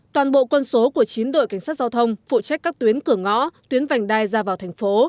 toàn bộ quân số của chín đội cảnh sát giao thông phụ trách các tuyến cửa ngõ tuyến vành đai ra vào thành phố